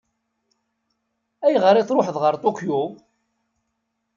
Ayɣer i tṛuḥeḍ ɣer Tokyo?